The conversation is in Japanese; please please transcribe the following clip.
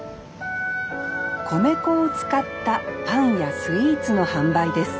米粉を使ったパンやスイーツの販売です